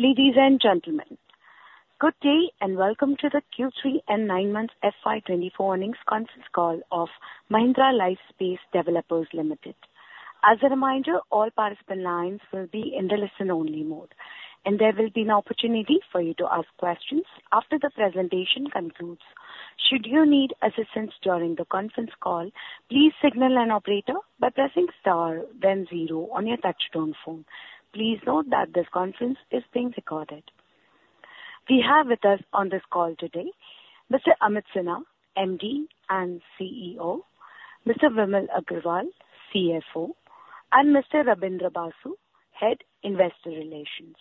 Ladies and gentlemen, good day, and welcome to the Q3 and 9-month FY 2024 earnings conference call of Mahindra Lifespace Developers Limited. As a reminder, all participant lines will be in the listen-only mode, and there will be an opportunity for you to ask questions after the presentation concludes. Should you need assistance during the conference call, please signal an operator by pressing star then zero on your touchtone phone. Please note that this conference is being recorded. We have with us on this call today Mr. Amit Sinha, MD and CEO, Mr. Vimal Agarwal, CFO, and Mr. Rabindra Basu, Head, Investor Relations.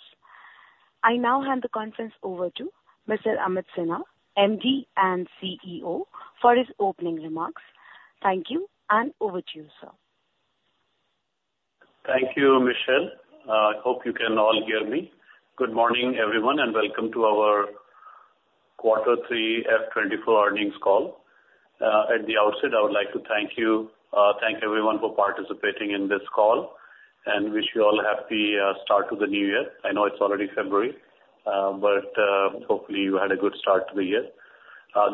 I now hand the conference over to Mr. Amit Sinha, MD and CEO, for his opening remarks. Thank you, and over to you, sir. Thank you, Michelle. I hope you can all hear me. Good morning, everyone, and welcome to our Quarter 3 FY 2024 earnings call. At the outset, I would like to thank you, thank everyone for participating in this call and wish you all a happy start to the new year. I know it's already February, but hopefully, you had a good start to the year.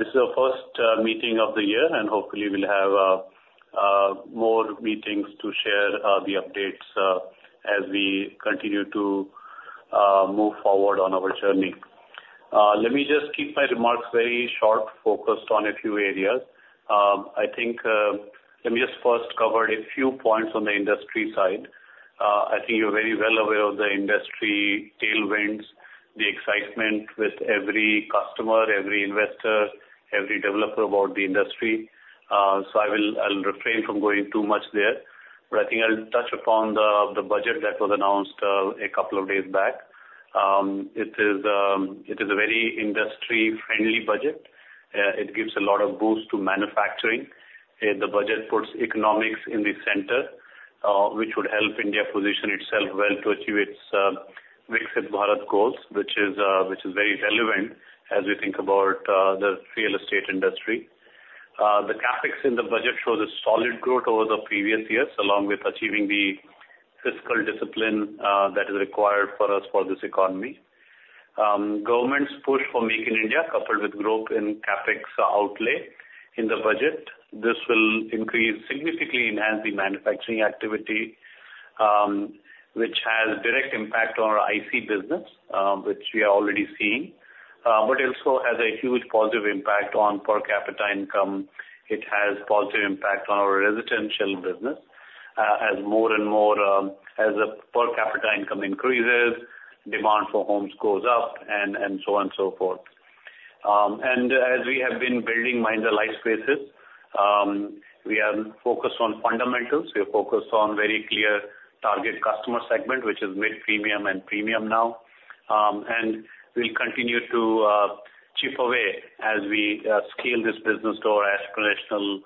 This is our first meeting of the year, and hopefully we'll have more meetings to share the updates as we continue to move forward on our journey. Let me just keep my remarks very short, focused on a few areas. I think, let me just first cover a few points on the industry side. I think you're very well aware of the industry tailwinds, the excitement with every customer, every investor, every developer about the industry. So I will—I'll refrain from going too much there, but I think I'll touch upon the budget that was announced a couple of days back. It is a very industry-friendly budget. It gives a lot of boost to manufacturing, and the budget puts economics in the center, which would help India position itself well to achieve its Make in Bharat goals, which is very relevant as we think about the real estate industry. The CapEx in the budget shows a solid growth over the previous years, along with achieving the fiscal discipline that is required for us for this economy. Government's push for Make in India, coupled with growth in CapEx outlay in the budget, this will increase, significantly enhance the manufacturing activity, which has direct impact on our IC business, which we are already seeing, but also has a huge positive impact on per capita income. It has positive impact on our residential business, as more and more, as the per capita income increases, demand for homes goes up and, and so on and so forth. As we have been building Mahindra Lifespace, we are focused on fundamentals. We are focused on very clear target customer segment, which is mid-premium and premium now. We'll continue to chip away as we scale this business to our aspirational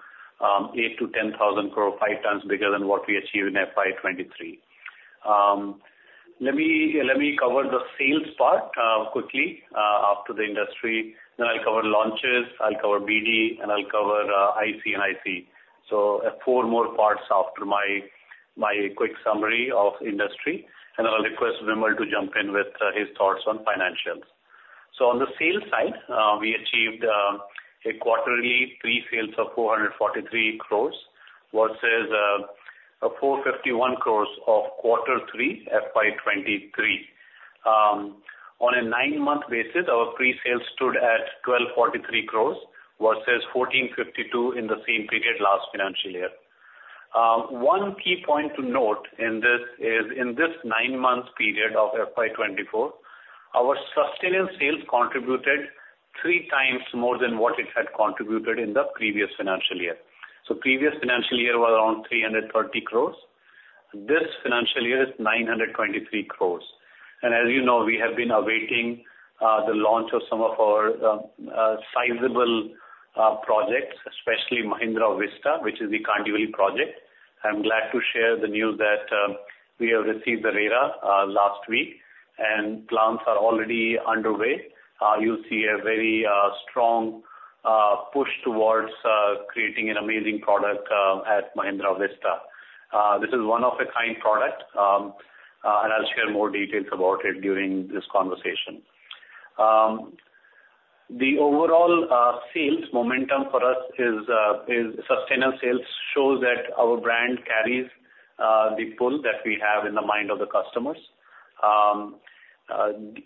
8,000 crore-10,000 crore, five times bigger than what we achieved in FY 2023. Let me cover the sales part quickly after the industry. Then I'll cover launches, I'll cover BD, and I'll cover IC and IP. So, four more parts after my quick summary of industry, and I'll request Vimal to jump in with his thoughts on financials. So on the sales side, we achieved a quarterly pre-sale of 443 crore versus 451 crore of quarter 3, FY 2023. On a nine-month basis, our pre-sales stood at 1,243 crore versus 1,452 in the same period last financial year. One key point to note is, in this nine-month period of FY 2024, our sustenance sales contributed three times more than what it had contributed in the previous financial year. So previous financial year was around 330 crore. This financial year is 923 crore. As you know, we have been awaiting the launch of some of our sizable projects, especially Mahindra Vista, which is the Kandivali project. I'm glad to share the news that we have received the RERA last week, and plans are already underway. You'll see a very strong push towards creating an amazing product at Mahindra Vista. This is one-of-a-kind product, and I'll share more details about it during this conversation. The overall sales momentum for us is sustainable sales shows that our brand carries the pull that we have in the mind of the customers.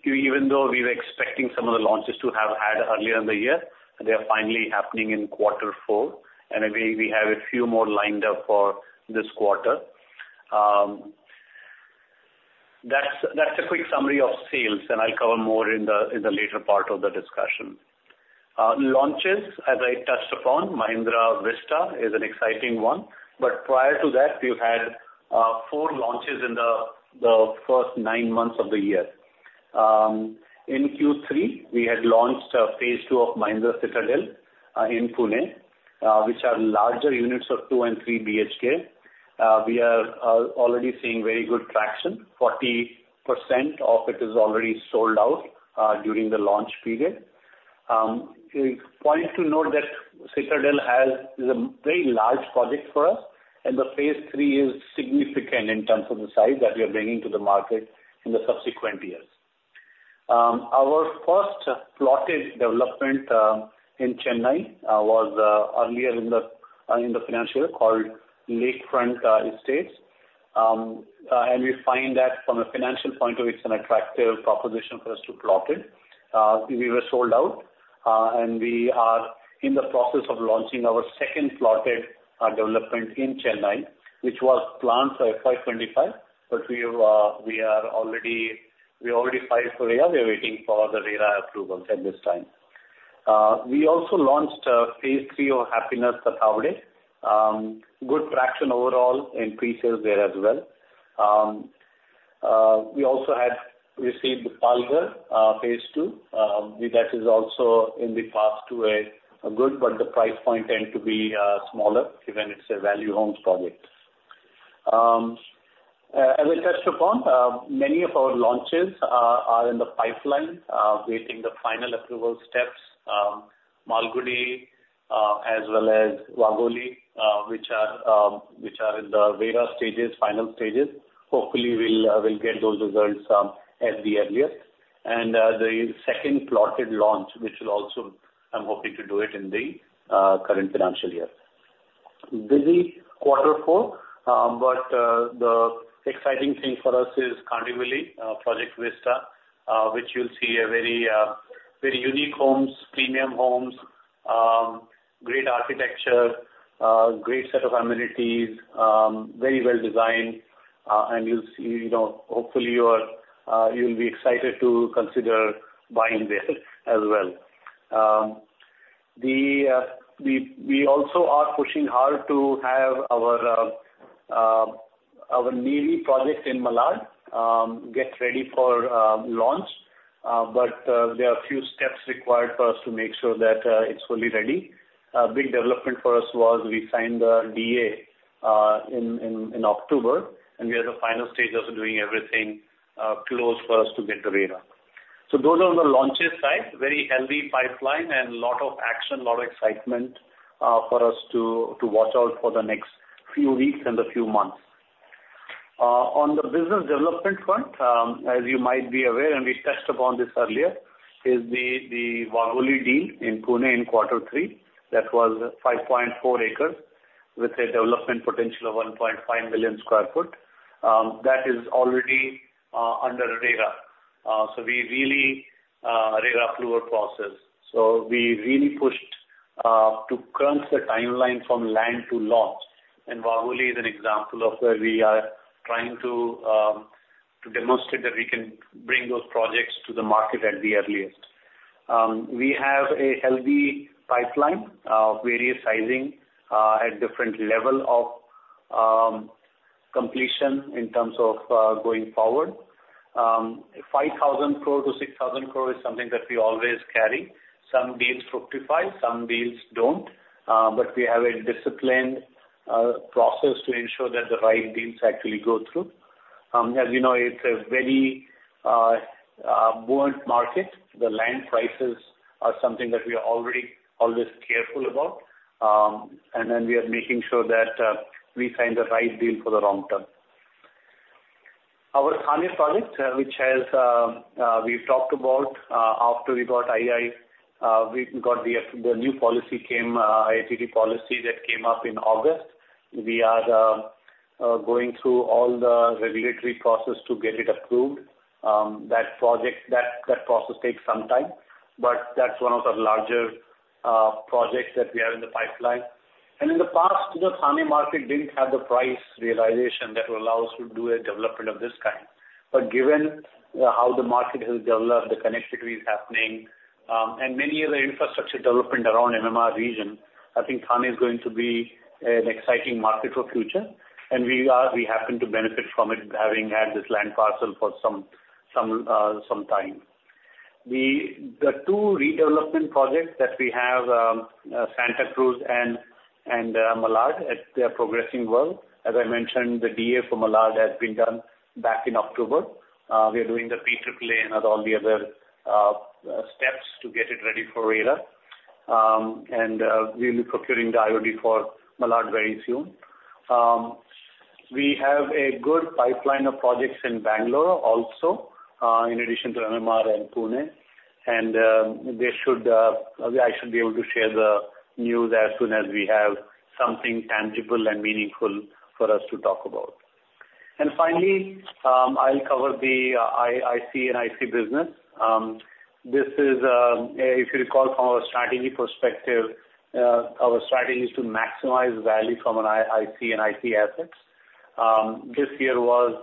Even though we were expecting some of the launches to have had earlier in the year, they are finally happening in quarter four, and again, we have a few more lined up for this quarter. That's a quick summary of sales, and I'll cover more in the later part of the discussion. Launches, as I touched upon, Mahindra Vista is an exciting one, but prior to that, we've had 4 launches in the first 9 months of the year. In Q3, we had launched phase 2 of Mahindra Citadel in Pune, which are larger units of 2 and 3 BHK. We are already seeing very good traction. 40% of it is already sold out during the launch period. A point to note that Citadel has is a very large project for us, and the phase three is significant in terms of the size that we are bringing to the market in the subsequent years. Our first plotted development in Chennai was earlier in the financial year called Lakefront Estates. And we find that from a financial point of view, it's an attractive proposition for us to plot it. We were sold out, and we are in the process of launching our second plotted development in Chennai, which was planned for FY 25, but we already filed for RERA. We are waiting for the RERA approvals at this time. We also launched phase three of Happinest Tathawade. Good traction overall in pre-sales there as well. We also had received Palghar phase two. That is also in the path to a good, but the price point tend to be smaller, given it's a value homes project. As I touched upon, many of our launches are in the pipeline waiting the final approval steps. Malgudi, as well as Wagholi, which are in the various stages, final stages. Hopefully, we'll get those results as the earlier. The second plotted launch, which will also, I'm hoping to do it in the current financial year. Busy quarter four, but the exciting thing for us is Kandivali Project Vista, which you'll see a very, very unique homes, premium homes, great architecture, great set of amenities, very well designed, and you'll see, you know, hopefully you'll be excited to consider buying there as well. We also are pushing hard to have our Nivruti project in Malad get ready for launch, but there are a few steps required for us to make sure that it's fully ready. A big development for us was we signed the DA in October, and we are in the final stages of doing everything close for us to get to RERA. So those are on the launches side. Very healthy pipeline and lot of action, a lot of excitement, for us to, to watch out for the next few weeks and a few months. On the business development front, as you might be aware, and we touched upon this earlier, is the, the Wagholi deal in Pune in quarter three. That was 5.4 acres with a development potential of 1.5 million sq ft. That is already under RERA. So we really RERA approval process. So we really pushed to crunch the timeline from land to launch, and Wagholi is an example of where we are trying to, to demonstrate that we can bring those projects to the market at the earliest. We have a healthy pipeline of various sizing at different level of completion in terms of going forward. Five thousand crore to six thousand crore is something that we always carry. Some deals fructify, some deals don't, but we have a disciplined process to ensure that the right deals actually go through. As you know, it's a very buoyant market. The land prices are something that we are already always careful about, and then we are making sure that we sign the right deal for the long term. Our Thane project, which has, we've talked about, after we got uncertainty, we got the new policy came, IT/ITES Policy that came up in August. We are going through all the regulatory process to get it approved. That project, that process takes some time, but that's one of the larger projects that we have in the pipeline. In the past, the Thane market didn't have the price realization that will allow us to do a development of this kind. But given how the market has developed, the connectivity is happening, and many other infrastructure development around MMR region, I think Thane is going to be an exciting market for future, and we happen to benefit from it, having had this land parcel for some time. The two redevelopment projects that we have, Santacruz and Malad, they are progressing well. As I mentioned, the DA for Malad has been done back in October. We are doing the PAAA and all the other steps to get it ready for RERA. And we'll be procuring the IOD for Malad very soon. We have a good pipeline of projects in Bangalore also, in addition to MMR and Pune, and, we should, I should be able to share the news as soon as we have something tangible and meaningful for us to talk about. Finally, I'll cover the IC & IC business. This is, if you recall from our strategy perspective, our strategy is to maximize value from an IC & IC assets. This year was,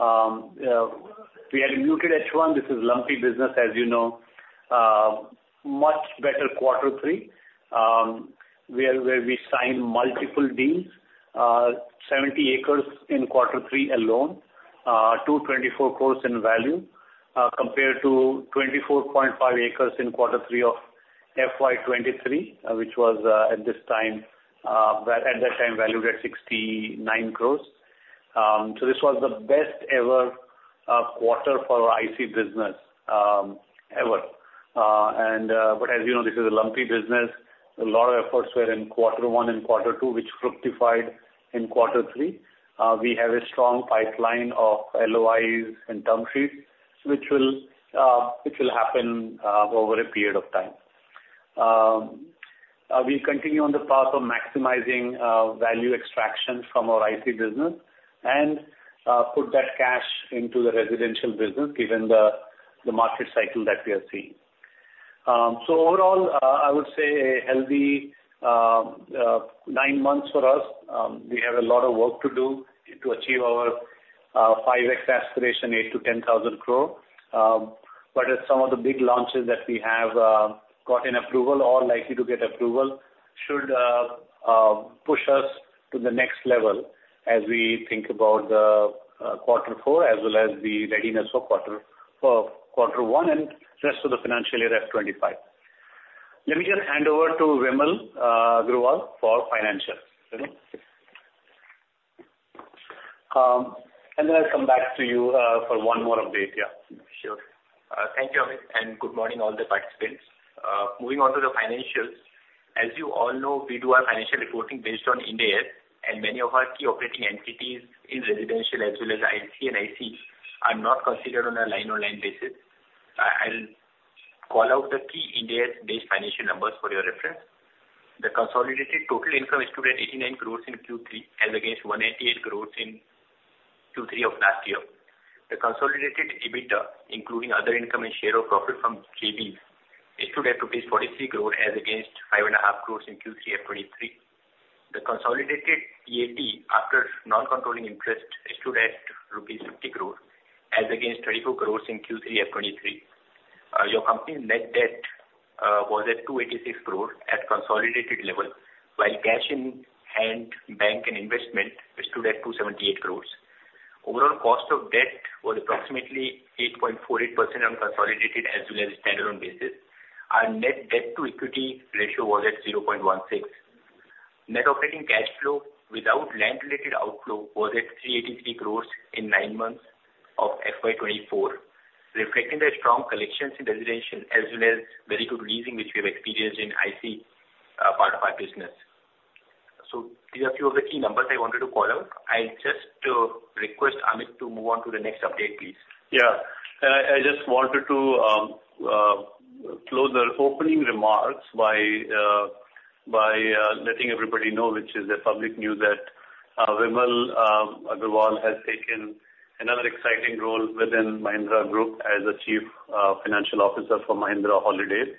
we had a muted H1. This is lumpy business, as you know. Much better quarter three, where we signed multiple deals, 70 acres in quarter three alone, 224 crores in value, compared to 24.5 acres in quarter three of FY 2023, which was, at that time, valued at 69 crores. So this was the best ever quarter for our IC business, ever. But as you know, this is a lumpy business. A lot of efforts were in quarter one and quarter two, which fructified in quarter three. We have a strong pipeline of LOIs and term sheets, which will happen over a period of time. We continue on the path of maximizing value extraction from our IC business and put that cash into the residential business, given the market cycle that we are seeing. So overall, I would say a healthy nine months for us. We have a lot of work to do to achieve our 5X aspiration, 8,000 crore-10,000 crore. But as some of the big launches that we have gotten approval or likely to get approval, should push us to the next level as we think about quarter four, as well as the readiness for quarter one and rest of the financial year FY 2025. Let me just hand over to Vimal Agarwal for financials. Vimal? And then I'll come back to you for one more update. Yeah. Sure. Thank you, Amit, and good morning all the participants. Moving on to the financials. As you all know, we do our financial reporting based on India, and many of our key operating entities in residential as well as IC & IC are not considered on a line-on-line basis. I'll call out the key India-based financial numbers for your reference. The consolidated total income is 2.89 crore in Q3, as against 188 crore in Q3 of last year. The consolidated EBITDA, including other income and share of profit from JVs, is rupees 2.43 crore, as against 5.5 crore in Q3 of 2023. The consolidated EAT, after non-controlling interest, is rupees 2.5 crore, as against 34 crore in Q3 of 2023. Your company net debt was at 286 crore at consolidated level, while cash in hand, bank and investment stood at 278 crore. Overall, cost of debt was approximately 8.48% on consolidated as well as standalone basis. Our net debt to equity ratio was at 0.16. Net operating cash flow without land-related outflow was at 383 crore in nine months of FY 2024, reflecting the strong collections in residential as well as very good leasing, which we have experienced in IC part of our business. So these are a few of the key numbers I wanted to call out. I just request Amit to move on to the next update, please. Yeah. I just wanted to close our opening remarks by letting everybody know, which is a public news, that Vimal Agarwal has taken another exciting role within Mahindra Group as the Chief Financial Officer for Mahindra Holidays.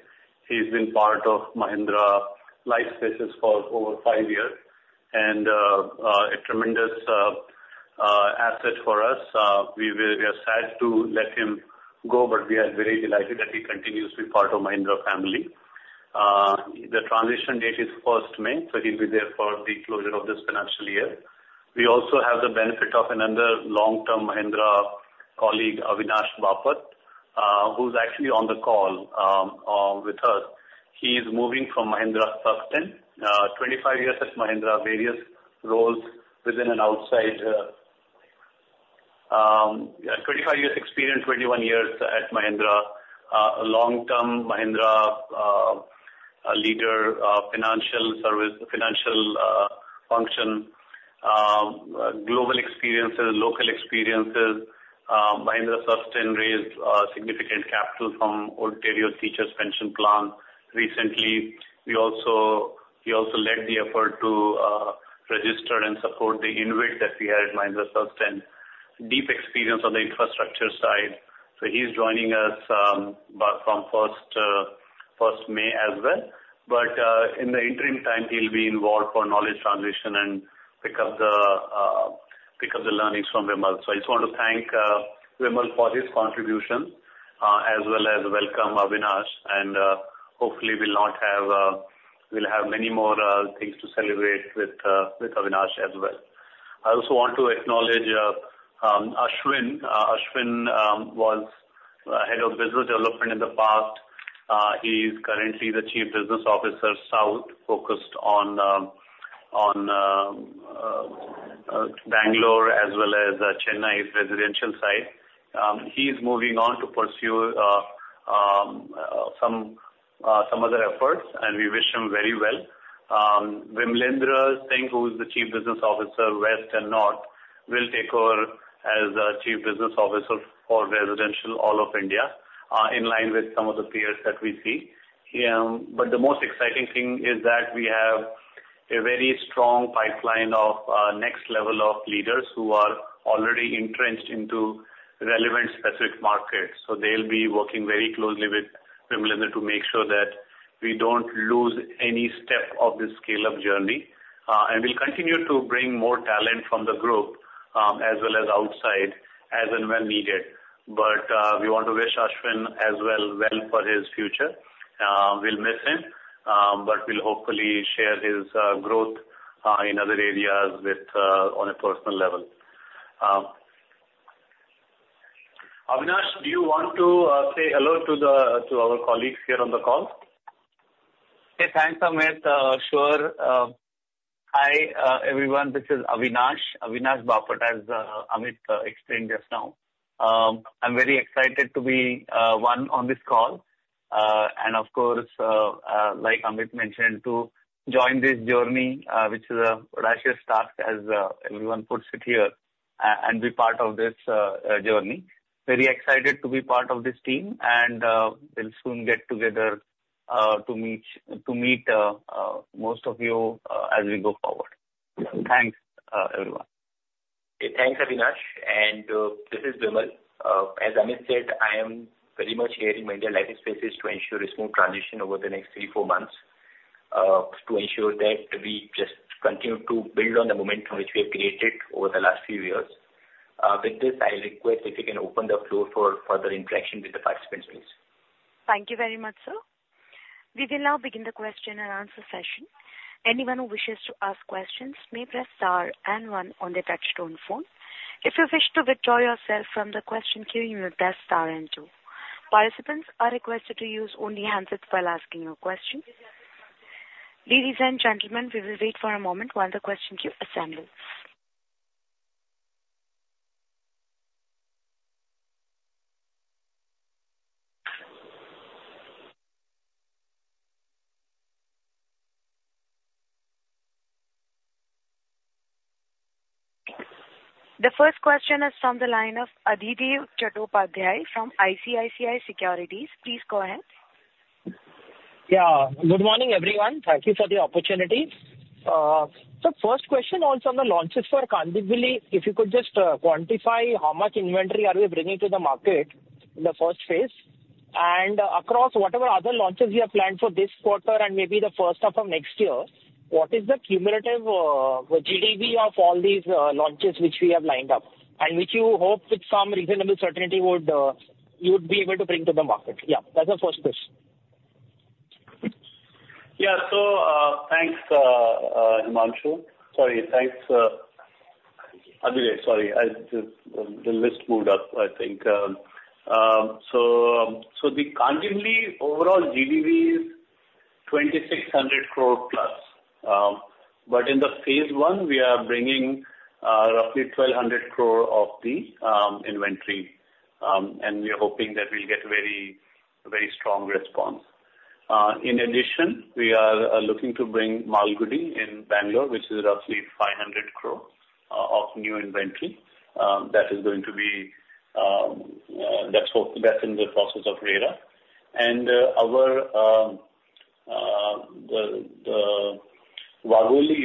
He's been part of Mahindra Lifespaces for over five years, and a tremendous asset for us. We are sad to let him go, but we are very delighted that he continues to be part of Mahindra family. The transition date is first May, so he'll be there for the closure of this financial year. We also have the benefit of another long-term Mahindra colleague, Avinash Bapat, who's actually on the call with us. He is moving from Mahindra Susten. 25 years at Mahindra, various roles within and outside. Yeah, 25 years experience, 21 years at Mahindra. A long-term Mahindra leader of financial service, financial function, global experiences, local experiences. Mahindra Susten raised significant capital from Ontario Teachers' Pension Plan recently. He also led the effort to register and support the InvIT that we had at Mahindra Susten. Deep experience on the infrastructure side. So he's joining us about from first May as well. But in the interim time, he'll be involved for knowledge transition and pick up the learnings from Vimal. So I just want to thank Vimal for his contribution as well as welcome Avinash, and hopefully, we'll have many more things to celebrate with Avinash as well. I also want to acknowledge Ashwin. Ashwin was head of business development in the past. He's currently the Chief Business Officer, South, focused on Bangalore as well as Chennai's residential side. He's moving on to pursue some other efforts, and we wish him very well. Vimalendra Singh, who is the Chief Business Officer, West and North, will take over as Chief Business Officer for Residential, all of India, in line with some of the peers that we see. But the most exciting thing is that we have a very strong pipeline of next level of leaders who are already entrenched into relevant specific markets. So they'll be working very closely with Vimalendra to make sure that we don't lose any step of this scale-up journey. And we'll continue to bring more talent from the group, as well as outside, as and when needed. But we want to wish Ashwin as well, well for his future. We'll miss him, but we'll hopefully share his growth in other areas with, on a personal level. Avinash, do you want to say hello to our colleagues here on the call? Hey, thanks, Amit. Sure. Hi, everyone, this is Avinash. Avinash Bapat, as Amit explained just now. I'm very excited to be on this call, and of course, like Amit mentioned, to join this journey, which is a audacious task, as everyone puts it here, and be part of this journey. Very excited to be part of this team, and we'll soon get together to meet most of you as we go forward. Thanks, everyone. Okay. Thanks, Avinash, and, this is Vimal. As Amit said, I am very much here in Mahindra Lifespace to ensure a smooth transition over the next 3-4 months, to ensure that we just continue to build on the momentum which we have created over the last few years. With this, I request if you can open the floor for further interaction with the participants, please. Thank you very much, sir. We will now begin the question and answer session. Anyone who wishes to ask questions may press star and one on their touchtone phone. If you wish to withdraw yourself from the question queue, you may press star and two. Participants are requested to use only handsets while asking your question. Ladies and gentlemen, we will wait for a moment while the question queue assembles. The first question is from the line of Adhidev Chattopadhyay from ICICI Securities. Please go ahead. Yeah. Good morning, everyone. Thank you for the opportunity. So first question on some the launches for Kandivali. If you could just quantify how much inventory are we bringing to the market in the first phase? And across whatever other launches you have planned for this quarter and maybe the first half of next year, what is the cumulative GDV of all these launches which we have lined up, and which you hope with some reasonable certainty would you would be able to bring to the market? Yeah, that's the first question. Yeah. So, thanks, Himanshu. Sorry, thanks, Adhidev. Sorry, I just... the list moved up, I think. So, the Kandivali overall GDV is 2,600 crore plus. But in the phase one, we are bringing roughly 1,200 crore of the inventory, and we are hoping that we'll get a very strong response. In addition, we are looking to bring Malgudi in Bangalore, which is roughly 500 crore of new inventory, that's in the process of RERA. And our Wagholi,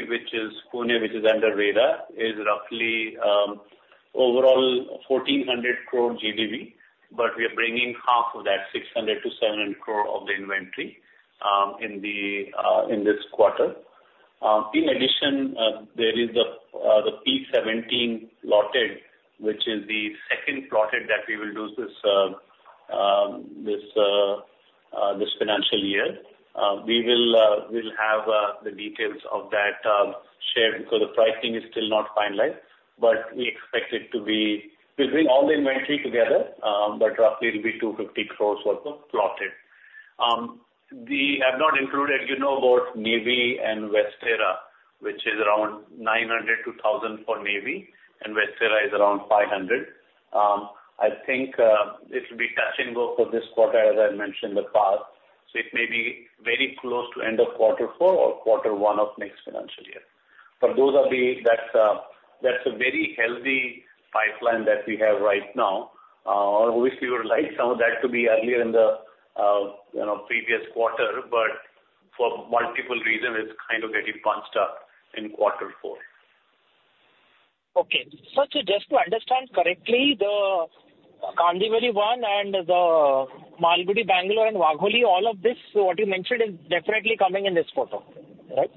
which is Pune, which is under RERA, is roughly overall 1,400 crore GDV, but we are bringing half of that, 600-700 crore of the inventory in this quarter. In addition, there is the P-17 plotted, which is the second plotted that we will do this financial year. We will have the details of that shared, because the pricing is still not finalized, but we expect it to be... We'll bring all the inventory together, but roughly it'll be 250 crore worth of plotted. We have not included, you know, both Nivruti and Vista, which is around 900 crore-1,000 crore for Nivruti, and Vista is around 500 crore. I think it'll be touching both of this quarter, as I mentioned in the past, so it may be very close to end of quarter four or quarter one of next financial year. But that's a very healthy pipeline that we have right now. Obviously, we would like some of that to be earlier in the, you know, previous quarter, but for multiple reasons, it's kind of getting bunched up in quarter four. Okay. Just to understand correctly, the Kandivali one and the Malgudi, Bangalore, and Wagholi, all of this, what you mentioned, is definitely coming in this quarter, right?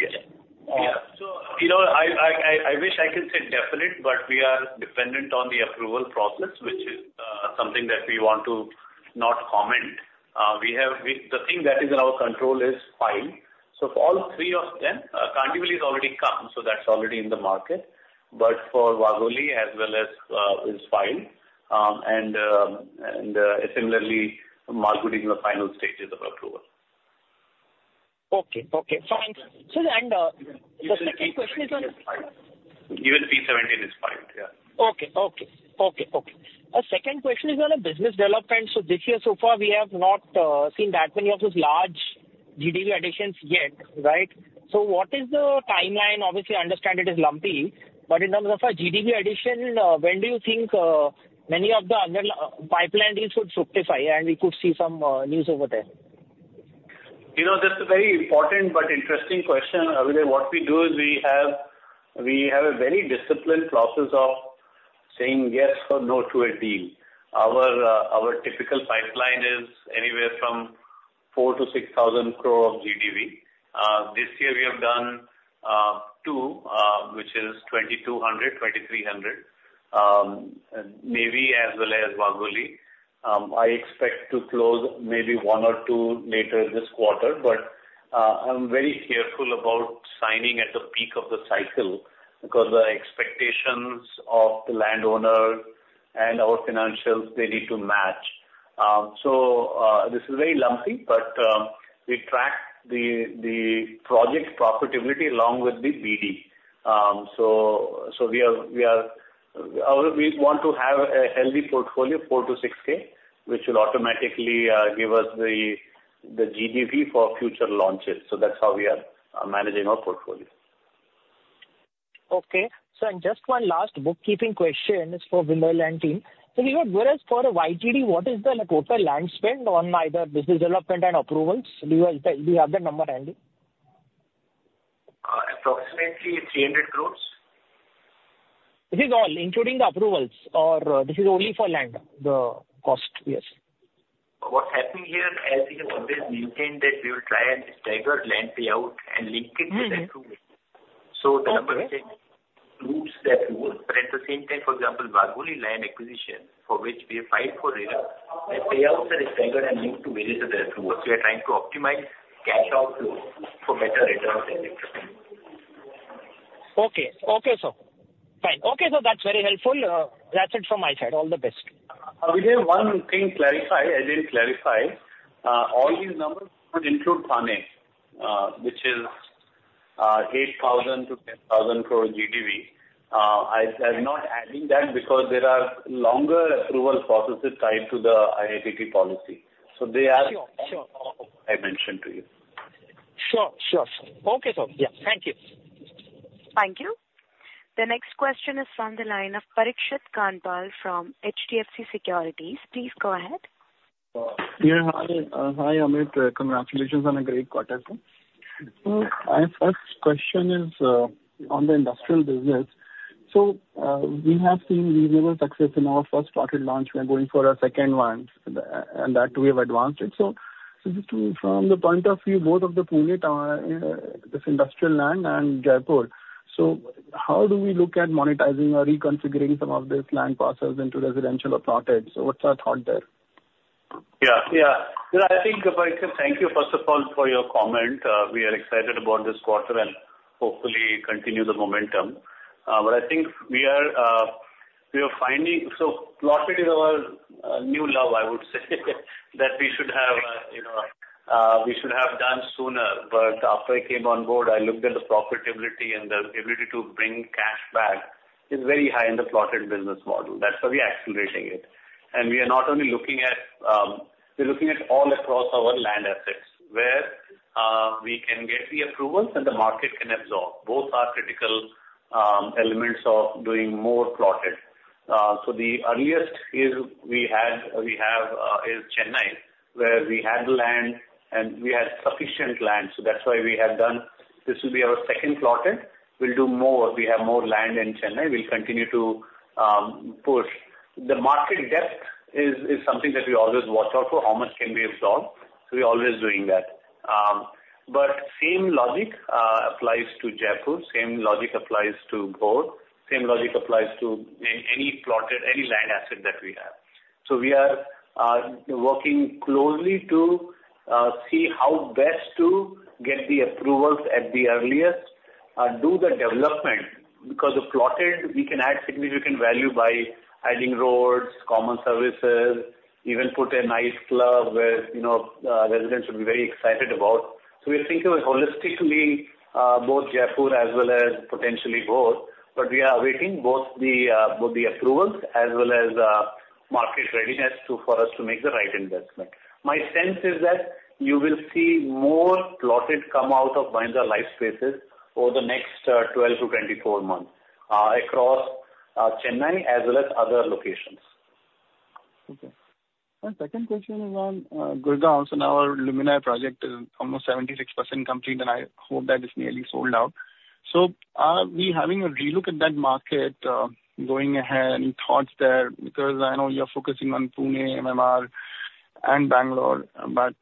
Yeah. So, you know, I wish I could say definitely, but we are dependent on the approval process, which is something that we want to not comment. The thing that is in our control is the filing. So for all three of them, Kandivali has already come, so that's already in the market. But for Malad, as well as is filed, and similarly, Malgudi is in the final stages of approval. Okay. Okay, fine. The second question is on- Even P-17 is filed, yeah. Okay. Okay. Okay, okay. Second question is on the business development. So this year, so far, we have not seen that many of those large GDV additions yet, right? So what is the timeline? Obviously, I understand it is lumpy, but in terms of a GDV addition, when do you think many of the underlying pipeline deals would fructify, and we could see some news over there? You know, that's a very important but interesting question, Adhidev. What we do is we have a very disciplined process of saying yes or no to a deal. Our typical pipeline is anywhere from 4,000 crore-6,000 crore of GDV. This year we have done two, which is 2,200 crore, 2,300 crore, Nivruti as well as Kandivali. I expect to close maybe one or two later this quarter, but I'm very careful about signing at the peak of the cycle, because the expectations of the landowner and our financials, they need to match. So, this is very lumpy, but we track the project profitability along with the BD. So we want to have a healthy portfolio, 4-6K, which will automatically give us the GDV for future launches. So that's how we are managing our portfolio. Okay. So, and just one last bookkeeping question is for Mahindra Land team. So, as for YTD, what is the, like, total land spend on either business development and approvals? Do you have the, do you have that number handy? Approximately 300 crore. This is all, including the approvals, or this is only for land, the cost? Yes. What happened here, as we have always maintained, that we will try and stagger land payout and link it with approval. Mm-hmm. Okay. The number moves that rule, but at the same time, for example, Wagholi land acquisition, for which we have filed for renewal, the payouts are staggered and linked to various other approvals. We are trying to optimize cash outflows for better return on investment. Okay. Okay, sir. Fine. Okay, so that's very helpful. That's it from my side. All the best. Vijay, one thing clarify, I didn't clarify, all these numbers would include Thane, which is 8,000 crore-10,000 crore GDV. I'm not adding that because there are longer approval processes tied to the ITP policy, so they are- Sure, sure. I mentioned to you. Sure. Sure, sir. Okay, sir. Yeah, thank you. Thank you. The next question is from the line of Parikshit Kandpal from HDFC Securities. Please go ahead. Yeah, hi, Amit. Congratulations on a great quarter, sir. So my first question is on the industrial business. So we have seen reasonable success in our first plotted launch. We are going for a second one, and that we have advanced it. So just from the point of view of both the Pune this industrial land and Jaipur, so how do we look at monetizing or reconfiguring some of this land parcels into residential or plotted? So what's our thought there? Yeah, yeah. You know, I think, Parikshit, thank you, first of all, for your comment. We are excited about this quarter and hopefully continue the momentum. But I think we are finding... So plotted is our new love, I would say, that we should have, you know, we should have done sooner. But after I came on board, I looked at the profitability and the ability to bring cash back is very high in the plotted business model. That's why we are accelerating it. And we are not only looking at, we're looking at all across our land assets, where we can get the approvals and the market can absorb. Both are critical elements of doing more plotted. So the earliest is we had, we have, is Chennai, where we had land and we had sufficient land, so that's why we have done. This will be our second plotted. We'll do more. We have more land in Chennai. We'll continue to push. The market depth is, is something that we always watch out for. How much can we absorb? So we're always doing that. But same logic applies to Jaipur, same logic applies to Gurgaon, same logic applies to any, any plotted, any land asset that we have. So we are working closely to see how best to get the approvals at the earliest, do the development, because the plotted, we can add significant value by adding roads, common services, even put a nice club where, you know, residents would be very excited about. So we think of it holistically, both Jaipur as well as potentially both, but we are awaiting both the, both the approvals as well as, market readiness to, for us to make the right investment. My sense is that you will see more plotted come out of Mahindra Lifespace over the next 12-24 months, across Chennai as well as other locations. Okay. My second question is on Gurgaon. So now our Mahindra Luminare project is almost 76% complete, and I hope that it's nearly sold out. So are we having a relook at that market going ahead? Any thoughts there? Because I know you're focusing on Pune, MMR, and Bangalore, but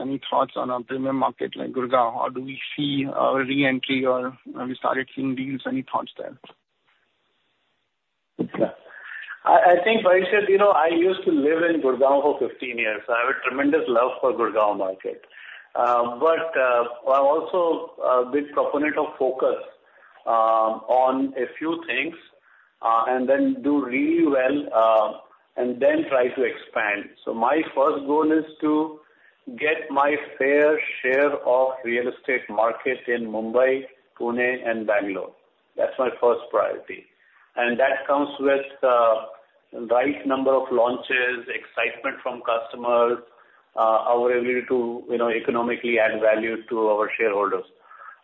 any thoughts on a premium market like Gurgaon? Or do we see a re-entry or we started seeing deals? Any thoughts there? Yeah. I think, Parikshit, you know, I used to live in Gurgaon for 15 years, so I have a tremendous love for Gurgaon market. But, I'm also a big proponent of focus, on a few things, and then do really well, and then try to expand. So my first goal is to get my fair share of real estate market in Mumbai, Pune, and Bangalore. That's my first priority. And that comes with, right number of launches, excitement from customers, our ability to, you know, economically add value to our shareholders.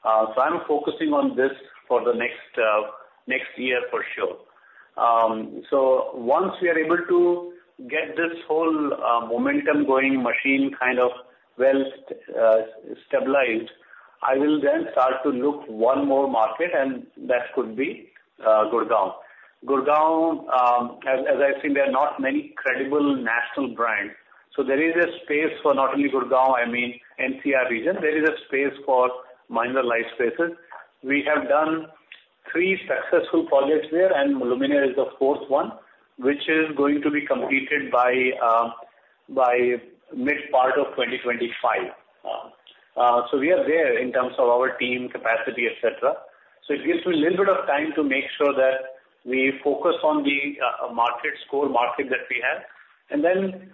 So I'm focusing on this for the next year, for sure. So once we are able to get this whole, momentum-going machine kind of well, stabilized, I will then start to look one more market, and that could be, Gurgaon. Gurgaon, as I've seen, there are not many credible national brands. So there is a space for not only Gurgaon, I mean, NCR region, there is a space for Mahindra Lifespace. We have done three successful projects there, and Luminare is the fourth one, which is going to be completed by mid part of 2025. So we are there in terms of our team capacity, et cetera. So it gives us a little bit of time to make sure that we focus on the markets, core market that we have, and then,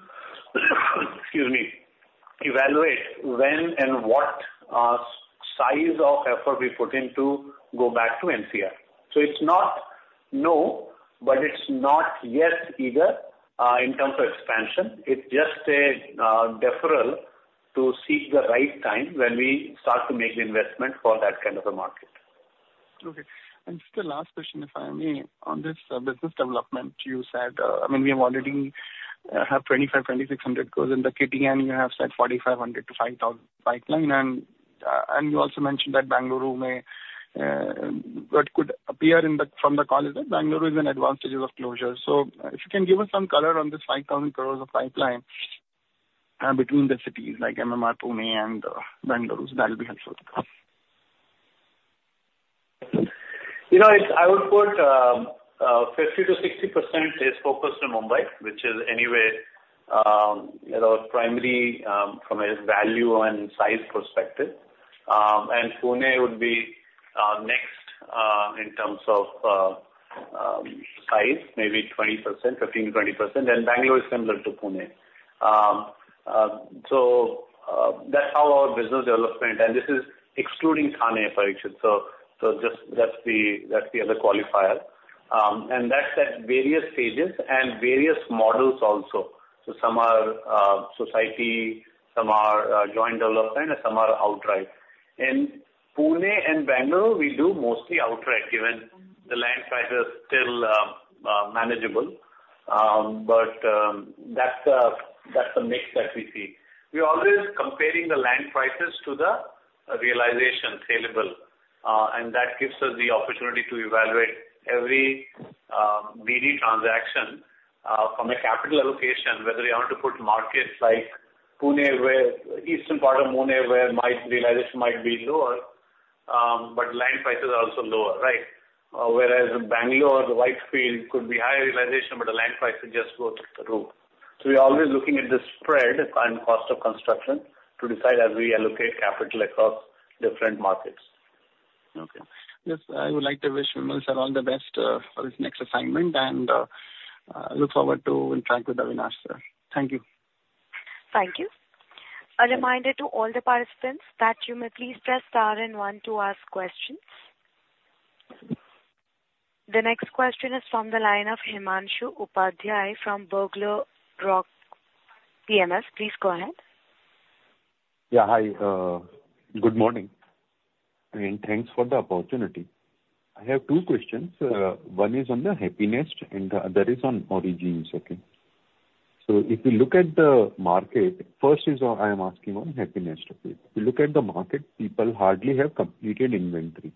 excuse me, evaluate when and what size of effort we put in to go back to NCR. So it's not no, but it's not yes either in terms of expansion. It's just a deferral to seek the right time when we start to make the investment for that kind of a market. Okay. And just the last question, if I may. On this, business development, you said, I mean, we have already have 2,500-2,600 crore in the kitty, and you have said 4,500-5,000 pipeline. And, and you also mentioned that Bengaluru may, that could appear in the from the call, is that Bengaluru is in advanced stages of closure. So if you can give us some color on this 5,000 crore of pipeline, between the cities like MMR, Pune, and, Bengaluru, that'll be helpful. You know, it's I would put 50%-60% is focused in Mumbai, which is anyway, you know, primary from a value and size perspective. And Pune would be next in terms of size, maybe 20%, 15%-20%, then Bengaluru is similar to Pune. So that's how our business development... And this is excluding Thane, I should say. So just that's the other qualifier. And that's at various stages and various models also. So some are society, some are joint development, and some are outright. In Pune and Bengaluru, we do mostly outright, given the land prices still manageable. But that's the mix that we see. We're always comparing the land prices to the realization saleable, and that gives us the opportunity to evaluate every, BD transaction, from a capital allocation, whether you want to put markets like Pune, where eastern part of Pune, where might realization might be lower, but land prices are also lower, right? Whereas in Bengaluru, the Whitefield could be high realization, but the land price will just go through the roof. So we're always looking at the spread and cost of construction to decide as we allocate capital across different markets. Okay. Yes, I would like to wish Vimal sir all the best, for his next assignment, and look forward to interacting with Avinash, sir. Thank you. Thank you. A reminder to all the participants that you may please press star and one to ask questions. The next question is from the line of Himanshu Upadhyay from Bugle Rock PMS. Please go ahead. Yeah, hi, good morning, and thanks for the opportunity. I have two questions. One is on the Happinest, and the other is on Origins. So if you look at the market, first is I am asking on Happinest, okay? If you look at the market, people hardly have completed inventory,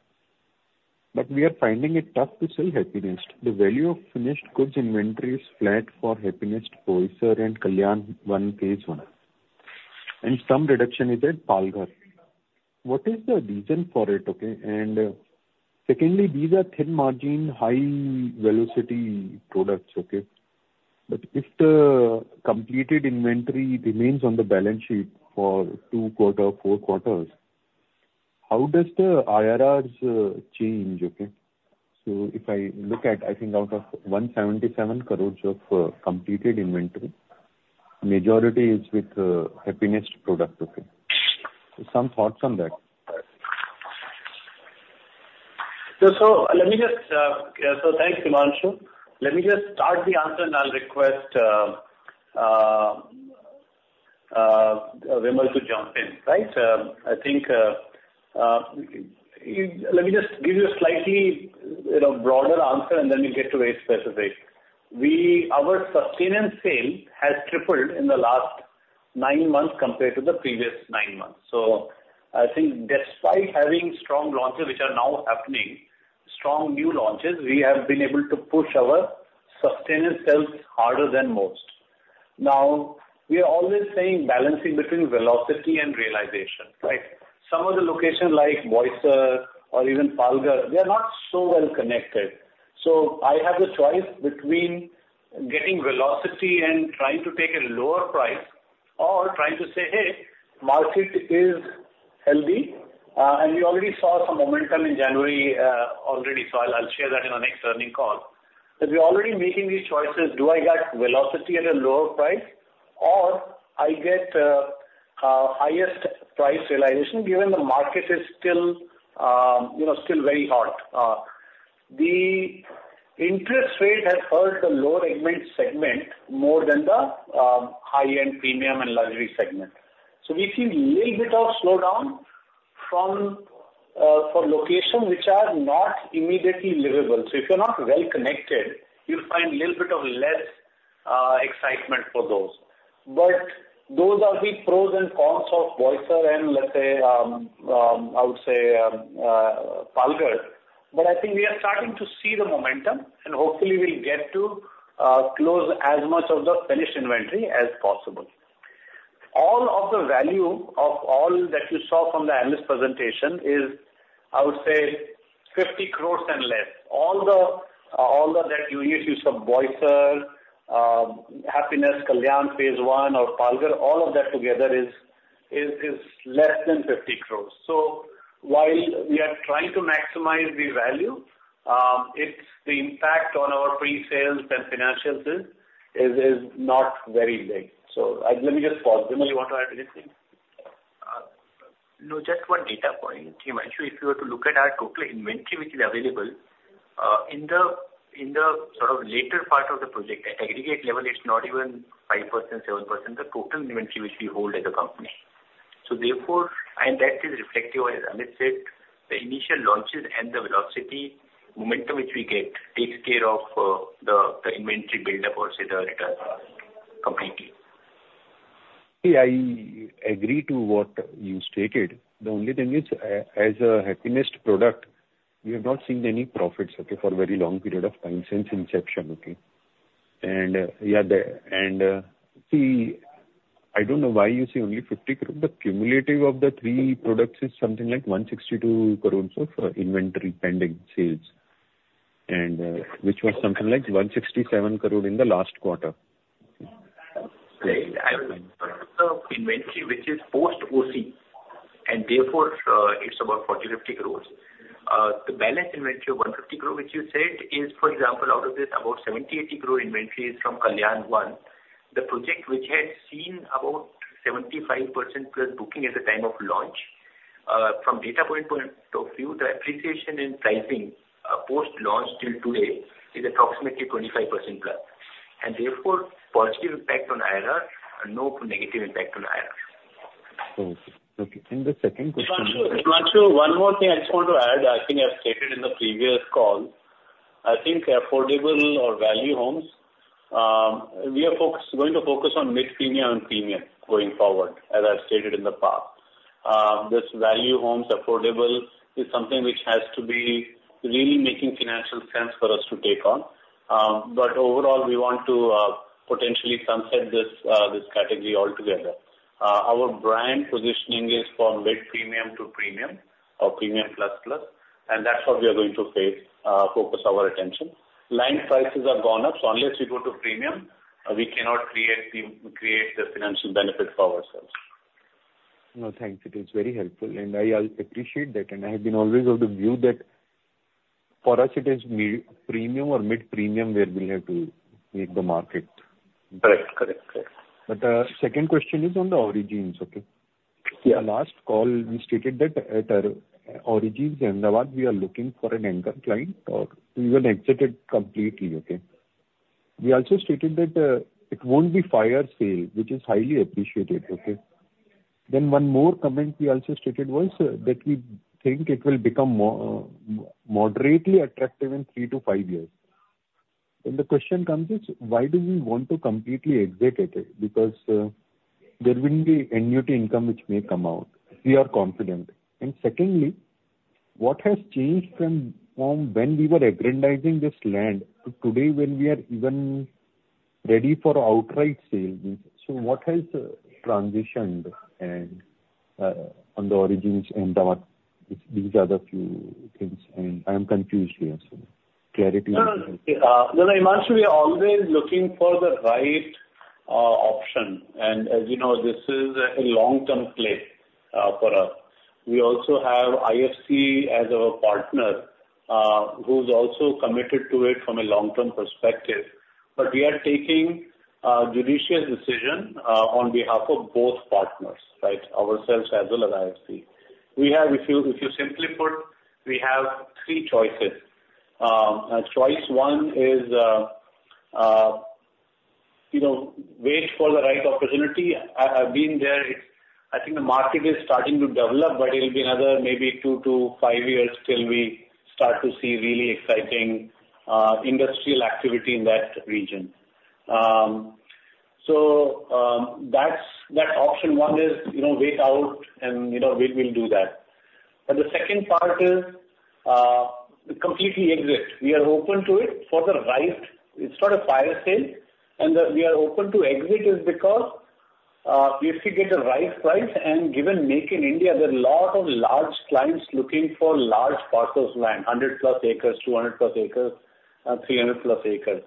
but we are finding it tough to sell Happinest. The value of finished goods inventory is flat for Happinest, Boisar, and Kalyan One Phase One, and some reduction is at Palghar. What is the reason for it, okay? And secondly, these are thin margin, high velocity products, okay? But if the completed inventory remains on the balance sheet for two quarters, four quarters, how does the IRRs change, okay? So if I look at, I think, out of 177 crore of completed inventory, majority is with Happinest product, okay? Some thoughts on that. So let me just... So thanks, Himanshu. Let me just start the answer, and I'll request Vimal to jump in, right? I think let me just give you a slightly, you know, broader answer, and then we'll get to very specific. We-- Our sustenance sale has tripled in the last nine months compared to the previous nine months. So I think despite having strong launches, which are now happening, strong new launches, we have been able to push our sustenance sales harder than most. Now, we are always saying balancing between velocity and realization, right? Some of the locations like Boisar or even Palghar, they are not so well connected. So I have the choice between getting velocity and trying to take a lower price or trying to say, "Hey, market is healthy." And we already saw some momentum in January, already, so I'll, I'll share that in our next earnings call. But we're already making these choices: Do I get velocity at a lower price, or I get highest price realization, given the market is still, you know, still very hot? The interest rate has hurt the lower segment more than the high-end premium and luxury segment. So we see little bit of slowdown from for locations which are not immediately livable. So if you're not well connected, you'll find little bit of less excitement for those. But those are the pros and cons of Boisar and, let's say, I would say, Palghar. But I think we are starting to see the momentum, and hopefully, we'll get to close as much of the finished inventory as possible. All of the value of all that you saw from the analyst presentation is, I would say, 50 crore and less. All the issues of Boisar, Happinest Kalyan Phase One or Palghar, all of that together is less than 50 crore. So while we are trying to maximize the value, it's the impact on our pre-sales and financials is not very big. So let me just pause. Vimal, you want to add anything? No, just one data point. Himanshu, if you were to look at our total inventory which is available, in the, in the sort of later part of the project, at aggregate level, it's not even 5%, 7%, the total inventory which we hold as a company. So therefore, and that is reflective, as Amit said, the initial launches and the velocity momentum which we get takes care of, the, the inventory buildup or say, the return completely. Yeah, I agree to what you stated. The only thing is, as a Happinest product, we have not seen any profits, okay, for a very long period of time, since inception, okay? Yeah, see, I don't know why you say only 50 crore. The cumulative of the three products is something like 162 crores of inventory pending sales, and, which was something like 167 crore in the last quarter. Right. I, the inventory, which is post OC, and therefore, it's about 40-50 crore. The balance inventory of 150 crore, which you said, is, for example, out of this, about 70-80 crore inventory is from Kalyan One, the project which has seen about 75%+ booking at the time of launch. From data point, point of view, the appreciation in pricing, post-launch till today is approximately 25%+, and therefore, positive impact on IRR and no negative impact on IRR. Okay. Okay, and the second question- Himanshu, Himanshu, one more thing I just want to add. I think I've stated in the previous call, I think affordable or value homes, we are going to focus on mid-premium and premium going forward, as I've stated in the past. This value homes affordable is something which has to be really making financial sense for us to take on. But overall, we want to potentially sunset this category altogether. Our brand positioning is from mid-premium to premium or premium plus plus, and that's what we are going to pay focus our attention. Land prices have gone up, so unless we go to premium, we cannot create the financial benefit for ourselves. No, thanks. It is very helpful, and I, I appreciate that. And I have been always of the view that for us it is mid, premium or mid-premium where we have to make the market. Correct. Correct, correct. But, second question is on the Origins, okay? Yeah. The last call, we stated that at Origins Ahmedabad, we are looking for an anchor client, or we will exit it completely, okay? We also stated that it won't be fire sale, which is highly appreciated, okay. Then one more comment we also stated was that we think it will become more moderately attractive in 3-5 years. Then the question comes is, why do we want to completely exit it? Because there will be annuity income which may come out. We are confident. And secondly, what has changed from when we were acquiring this land to today, when we are even ready for outright sale? So what has transitioned and on the Origins Ahmedabad, these are the few things, and I am confused here, so clarity- No, no, no, Himanshu, we are always looking for the right option, and as you know, this is a long-term play for us. We also have IFC as our partner, who's also committed to it from a long-term perspective. But we are taking judicious decision on behalf of both partners, right? Ourselves as well as IFC. We have, if you simply put, we have three choices. Choice one is, you know, wait for the right opportunity. I've been there. It's... I think the market is starting to develop, but it'll be another maybe 2-5 years till we start to see really exciting industrial activity in that region. So, that's that option one is, you know, wait out and, you know, we, we'll do that. But the second part is completely exit. We are open to it for the right... It's not a fire sale. That we are open to exit is because, if we get the right price, and given Make in India, there are a lot of large clients looking for large parcels of land, 100+ acres, 200+ acres, 300+ acres.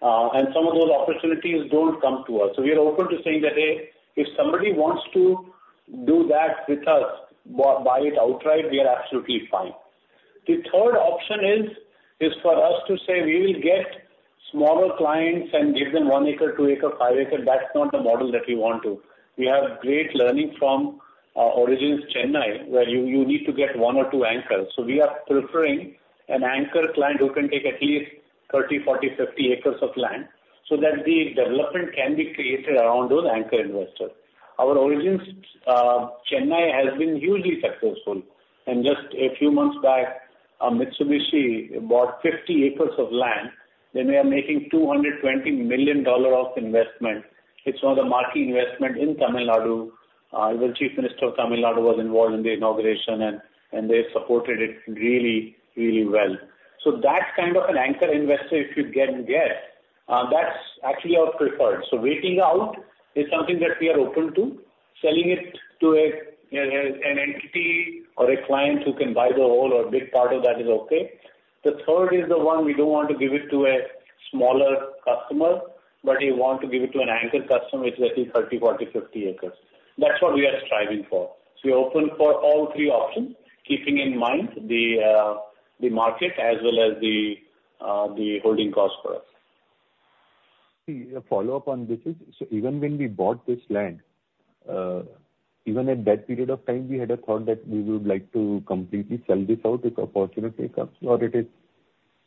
And some of those opportunities don't come to us. So we are open to saying that, "Hey, if somebody wants to do that with us, buy, buy it outright," we are absolutely fine. The third option is for us to say, "We will get smaller clients and give them 1 acre, 2 acre, 5 acre." That's not the model that we want to. We have great learning from Origins, Chennai, where you need to get 1 or 2 anchors. So we are preferring an anchor client who can take at least 30, 40, 50 acres of land, so that the development can be created around those anchor investors. Our Origins Chennai has been hugely successful, and just a few months back, Mitsubishi bought 50 acres of land. They may are making $220 million of investment. It's one of the marquee investment in Tamil Nadu. The Chief Minister of Tamil Nadu was involved in the inauguration, and they supported it really, really well. So that kind of an anchor investor, if you get, that's actually our preferred. So waiting out is something that we are open to. Selling it to an entity or a client who can buy the whole or big part of that is okay. The third is the one we don't want to give it to a smaller customer, but we want to give it to an anchor customer, which is at least 30, 40, 50 acres. That's what we are striving for. We're open for all three options, keeping in mind the market as well as the holding cost for us. See, a follow-up on this is, so even when we bought this land, even at that period of time, we had a thought that we would like to completely sell this out if opportunity comes, or it is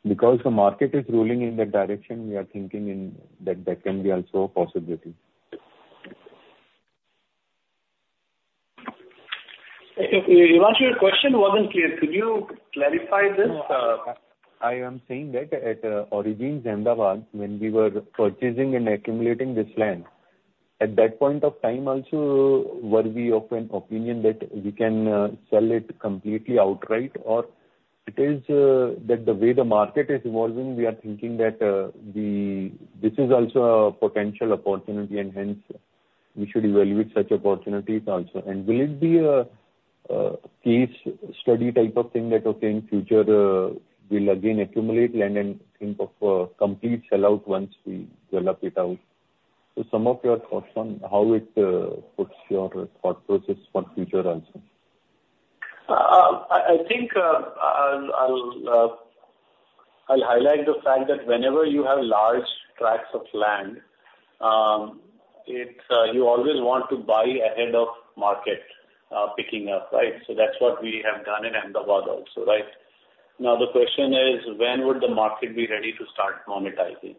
because the market is ruling in that direction, we are thinking in that, that can be also a possibility? Vivek your question wasn't clear. Could you clarify this? I am saying that at Origins Ahmedabad, when we were purchasing and accumulating this land, at that point of time also, were we of an opinion that we can sell it completely outright, or it is that the way the market is evolving, we are thinking that this is also a potential opportunity, and hence we should evaluate such opportunities also? And will it be a case study type of thing that, okay, in future, we'll again accumulate land and think of a complete sellout once we develop it out? So some of your thoughts on how it puts your thought process for future also. I think I'll highlight the fact that whenever you have large tracts of land, it's you always want to buy ahead of market picking up, right? So that's what we have done in Ahmedabad also, right? Now, the question is, when would the market be ready to start monetizing?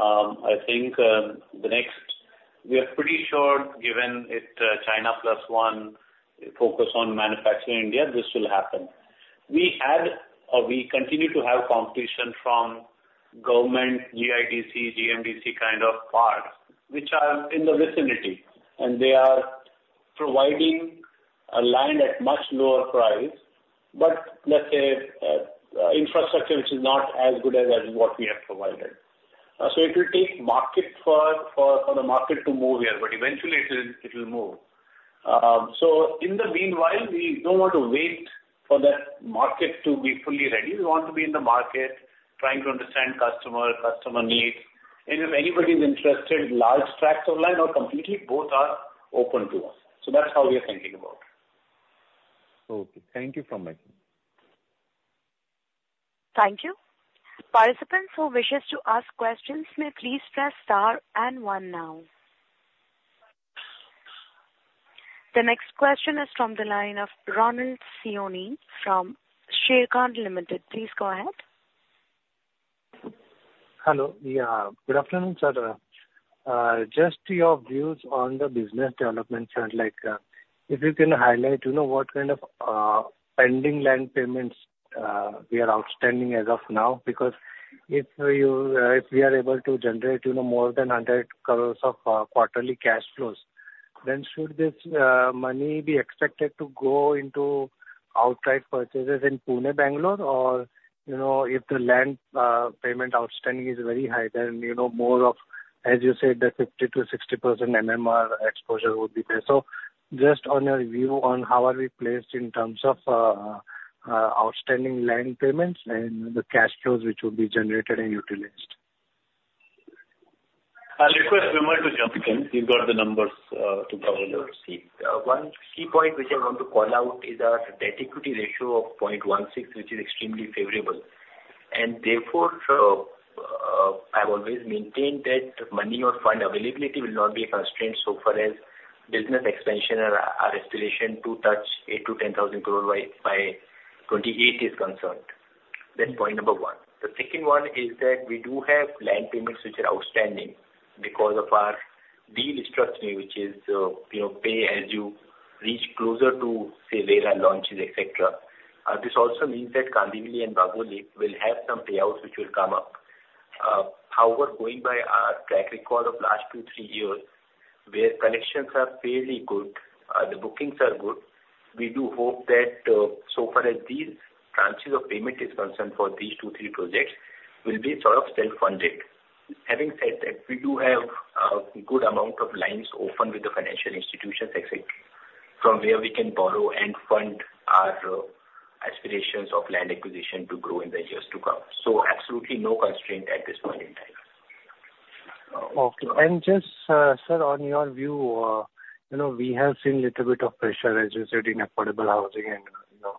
I think the next, we are pretty sure, given it, China plus one, focus on manufacturing in India, this will happen. We had or we continue to have competition from government, GIDC, GIDC kind of parks, which are in the vicinity, and they are providing a land at much lower price. But let's say infrastructure, which is not as good as what we have provided. So it will take for the market to move here, but eventually it will move. So in the meanwhile, we don't want to wait for the market to be fully ready. We want to be in the market, trying to understand customer needs, and if anybody is interested, large tracts of land or completely, both are open to us. So that's how we are thinking about it. Okay. Thank you so much. Thank you. Participants who wish to ask questions may please press star and 1 now. The next question is from the line of Ronald Siyoni from Sharekhan Limited. Please go ahead. Hello. Yeah, good afternoon, sir. Just your views on the business development chart, like, if you can highlight, you know, what kind of pending land payments we are outstanding as of now? Because if you, if we are able to generate, you know, more than 100 crores of quarterly cash flows, then should this money be expected to go into outright purchases in Pune, Bangalore? Or, you know, if the land payment outstanding is very high, then you know, more of, as you said, the 50%-60% MMR exposure would be there. So just on your view on how are we placed in terms of outstanding land payments and the cash flows, which will be generated and utilized? I'll request Vimal to jump in. He's got the numbers to follow your query. One key point which I want to call out is our debt equity ratio of 0.16, which is extremely favorable. And therefore, I've always maintained that money or fund availability will not be a constraint so far as business expansion and our, our aspiration to touch 8,000-10,000 crore by 2028 is concerned. That's point number one. The second one is that we do have land payments which are outstanding because of our deal structuring, which is, you know, pay as you reach closer to, say, where are launches, et cetera. This also means that Kandivali and Vangani will have some payouts which will come up. However, going by our track record of last 2-3 years, where collections are fairly good, the bookings are good, we do hope that so far as these tranches of payment is concerned for these 2-3 projects will be sort of self-funded. Having said that, we do have a good amount of lines open with the financial institutions, et cetera, from where we can borrow and fund our aspirations of land acquisition to grow in the years to come. Absolutely no constraint at this point in time. Okay. And just, sir, on your view, you know, we have seen little bit of pressure, as you said, in affordable housing and, you know,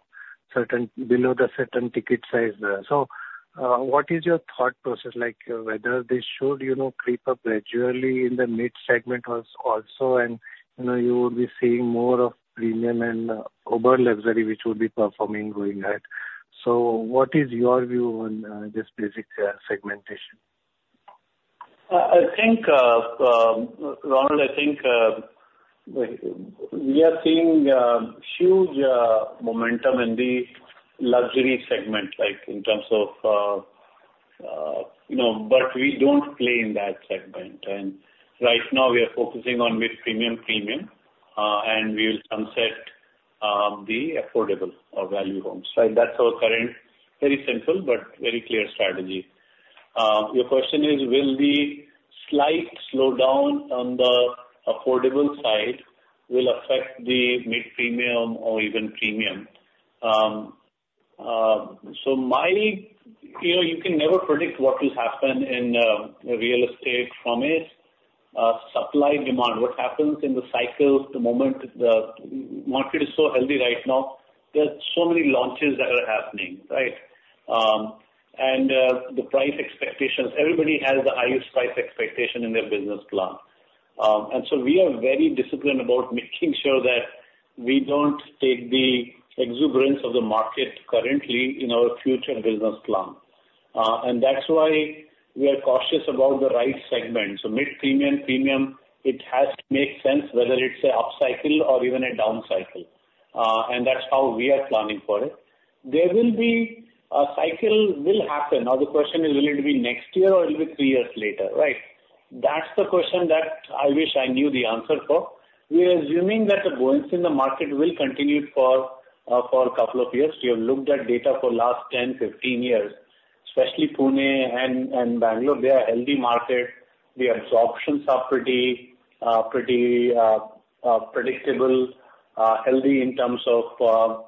certain below the certain ticket size. So, what is your thought process like? Whether they should, you know, creep up gradually in the mid-segment was also and, you know, you will be seeing more of premium and, uber luxury, which will be performing going ahead. So what is your view on, this basic, segmentation? I think, Ronald, I think we are seeing huge momentum in the luxury segment, like in terms of, you know, but we don't play in that segment, and right now we are focusing on mid-premium, premium, and we will sunset the affordable or value homes, right? That's our current, very simple but very clear strategy. Your question is, will the slight slowdown on the affordable side will affect the mid-premium or even premium? So my, you know, you can never predict what will happen in real estate from a supply and demand. What happens in the cycle, the moment, the market is so healthy right now, there are so many launches that are happening, right? And the price expectations, everybody has the highest price expectation in their business plan. And so we are very disciplined about making sure that we don't take the exuberance of the market currently in our future business plan. And that's why we are cautious about the right segment. So mid-premium, premium, it has to make sense whether it's a upcycle or even a downcycle, and that's how we are planning for it. There will be... A cycle will happen. Now, the question is, will it be next year or it'll be 3 years later, right? That's the question that I wish I knew the answer for. We are assuming that the buoyancy in the market will continue for a couple of years. We have looked at data for last 10, 15 years, especially Pune and Bangalore. They are healthy market. The absorptions are pretty predictable, healthy in terms of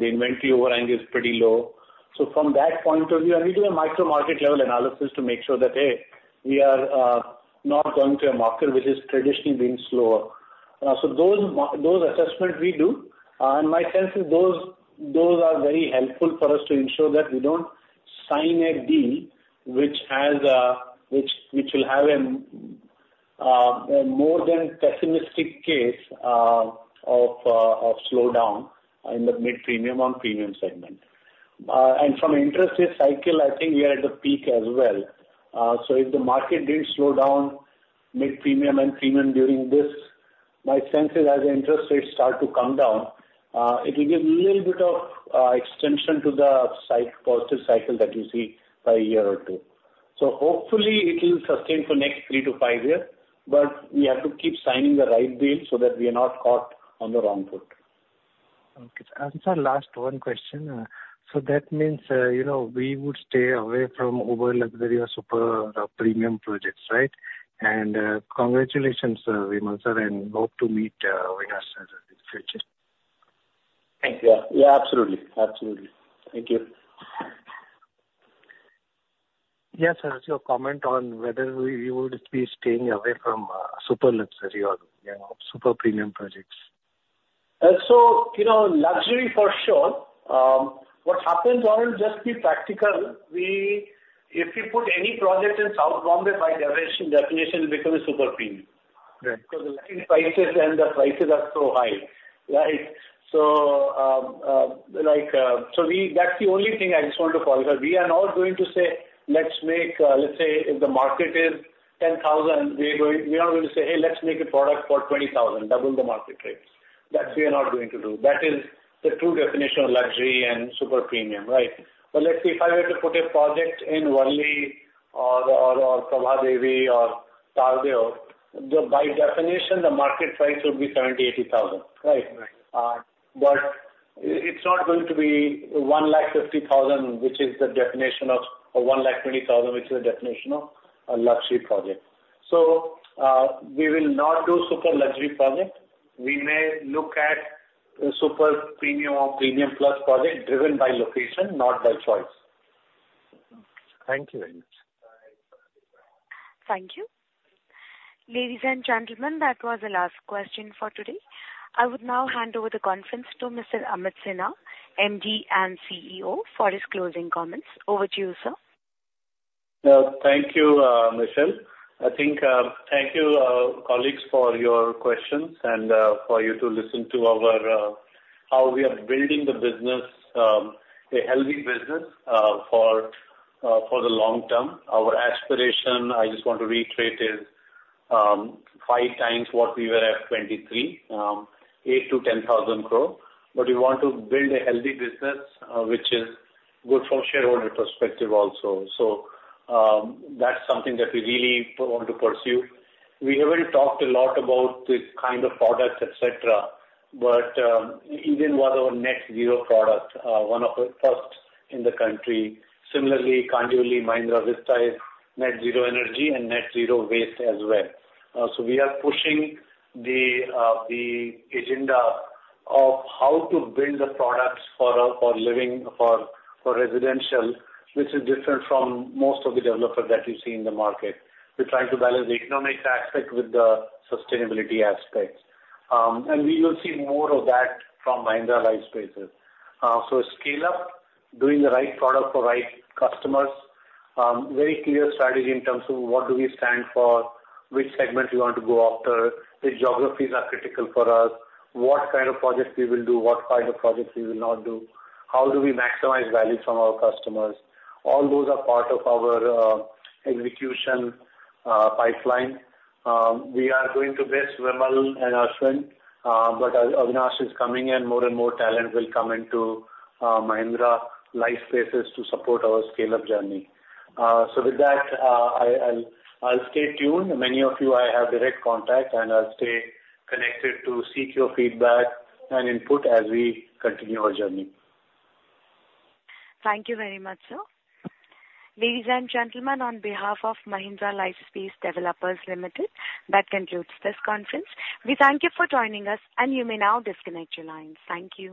the inventory overhang is pretty low. So from that point of view, and we do a micro-market level analysis to make sure that, hey, we are not going to a market which has traditionally been slower. So those assessments we do, and my sense is those are very helpful for us to ensure that we don't sign a deal which will have a more than pessimistic case of slowdown in the mid-premium or premium segment. And from interest rate cycle, I think we are at the peak as well. So if the market did slow down, mid-premium and premium during this, my sense is as interest rates start to come down, it will give little bit of extension to the cycle, positive cycle that you see by a year or two. So hopefully it will sustain for next three to five years, but we have to keep signing the right deals so that we are not caught on the wrong foot. Okay. Sir, last one question. So that means, you know, we would stay away from over luxury or super premium projects, right? And, congratulations, Vimal sir, and hope to meet Avinash sir in the future. Thank you. Yeah, absolutely, absolutely. Thank you. Yes, sir, your comment on whether we would be staying away from super luxury or, you know, super premium projects. So you know, luxury for sure. What happens, Arun, just be practical. We, if you put any project in South Bombay, by definition, definition it becomes a super premium. Right. Because the land prices and the prices are so high, right? So, like, that's the only thing I just want to call it out. We are not going to say, "Let's make..." Let's say if the market is 10,000, we are going, we are not going to say, "Hey, let's make a product for 20,000, double the market rate." That we are not going to do. That is the true definition of luxury and super premium, right? But let's say if I were to put a project in Worli or Prabhadevi or Tardeo, the, by definition, the market price would be 70,000-80,000, right? Right. But it's not going to be 150,000, which is the definition of, or 120,000, which is the definition of a luxury project. So, we will not do super luxury project. We may look at a super premium or premium plus project driven by location, not by choice. Thank you very much. Thank you. Ladies and gentlemen, that was the last question for today. I would now hand over the conference to Mr. Amit Sinha, MD and CEO, for his closing comments. Over to you, sir. Thank you, Michelle. I think, thank you, colleagues, for your questions and, for you to listen to our, how we are building the business, a healthy business, for, for the long term. Our aspiration, I just want to reiterate, is, 5 times what we were at 23, 8,000-10,000 crore. But we want to build a healthy business, which is good from shareholder perspective also. So, that's something that we really want to pursue. We already talked a lot about the kind of products, et cetera, but, even what our net zero product, one of the first in the country. Similarly, Kandivali Mahindra Vista is net zero energy and net zero waste as well. So we are pushing the, the agenda of how to build the products for a, for living, for, for residential, which is different from most of the developers that you see in the market. We're trying to balance the economic aspect with the sustainability aspects. And we will see more of that from Mahindra Lifespaces. So scale up, doing the right product for right customers, very clear strategy in terms of what do we stand for, which segments we want to go after, which geographies are critical for us, what kind of projects we will do, what kind of projects we will not do, how do we maximize value from our customers? All those are part of our, execution, pipeline. We are going to miss Vimal and Ashwin, but Avinash is coming, and more and more talent will come into Mahindra Lifespace to support our scale-up journey. So with that, I'll stay tuned. Many of you, I have direct contact, and I'll stay connected to seek your feedback and input as we continue our journey. Thank you very much, sir. Ladies and gentlemen, on behalf of Mahindra Lifespace Developers Limited, that concludes this conference. We thank you for joining us, and you may now disconnect your lines. Thank you.